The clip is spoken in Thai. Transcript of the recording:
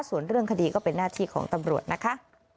ส่วนเรื่องคดีก็เป็นหน้าที่ของตำรวจนะคะ